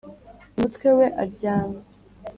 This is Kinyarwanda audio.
mu mutwe we aryamye